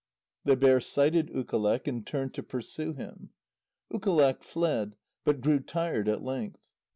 The bear sighted Ukaleq, and turned to pursue him. Ukaleq fled, but grew tired at length.